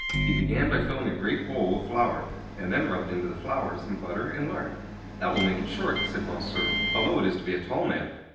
He began by filling a great bowl with flour, and then rubbed into the flour some butter and lard. "That will make it short," said Monsieur, "although it is to be a tall man."